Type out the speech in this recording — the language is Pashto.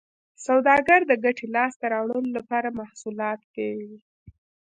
سوداګر د ګټې لاسته راوړلو لپاره محصولات پېري